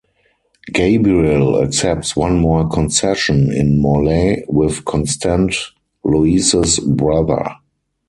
Gabriel accepts one more concession in Morlaix with Constant, Louise's brother.